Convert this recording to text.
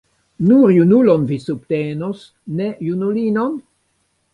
Nur junulon vi subtenos, ne junulinon?